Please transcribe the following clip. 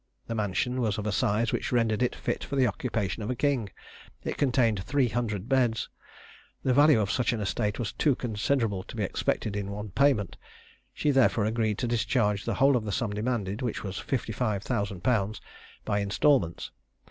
The mansion was of a size which rendered it fit for the occupation of a king; it contained three hundred beds. The value of such an estate was too considerable to be expected in one payment: she therefore agreed to discharge the whole of the sum demanded, which was fifty five thousand pounds, by instalments.